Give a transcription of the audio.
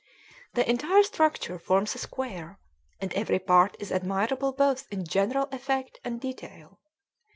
The entire structure forms a square, and every part is admirable both in general effect and detail.